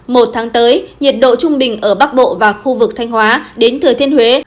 một tháng tới nhiệt độ trung bình ở bắc bộ và khu vực thanh hóa đến thừa thiên huế